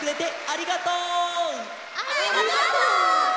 ありがとう！